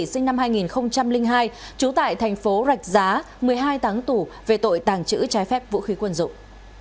sinh năm hai nghìn hai trú tại thành phố rạch giá một mươi hai tháng tủ về tội tàng trữ trái phép vũ khí quân dụng